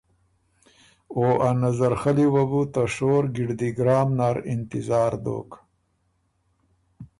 او ا نظر خلّی وه بو ته شور ګړدی ګرام نر انتظار دوک۔